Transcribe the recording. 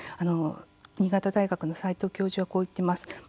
新潟大学の齋藤教授はこう言っています。